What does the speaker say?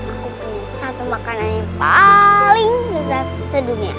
aku punya satu makanan yang paling lezat sedunia